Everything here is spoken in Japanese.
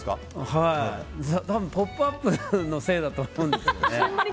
「ポップＵＰ！」のせいだと思うんですよね。